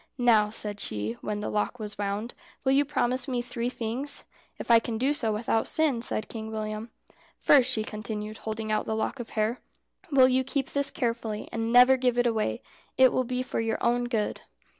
"Now," said she, when the lock was wound, "will you promise me three things?" "If I can do so without sin," said Kind William. "First," she continued, holding out the lock of hair, "will you keep this carefully, and never give it away? It will be for your own good."